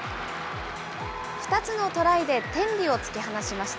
２つのトライで天理を突き放しました。